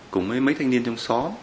cùng mấy mấy thanh niên trong xó